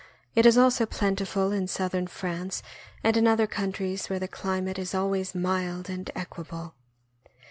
It is also plentiful in Southern France and in other countries where the climate is always mild and equable.